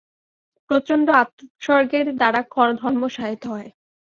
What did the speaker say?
প্রচণ্ড আত্মোৎসর্গের দ্বারা ধর্ম সাধিত হয়।